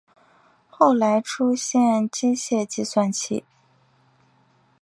后来出现机械计算器。